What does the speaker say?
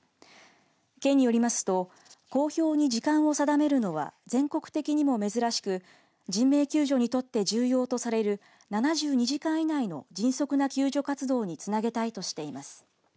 県によりますと公表に時間を定めるのは全国的にも珍しく人命救助にとって重要とされる７２時間以内の迅速な救助活動につなげたいとしています。